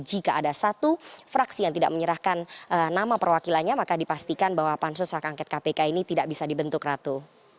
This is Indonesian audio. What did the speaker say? jika ada satu fraksi yang tidak menyerahkan nama perwakilannya maka dipastikan bahwa pansus hak angket kpk ini tidak bisa dibentuk ratu